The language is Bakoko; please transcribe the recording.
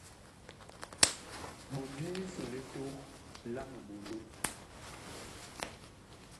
Ɓotle liso li tok la miɓondo.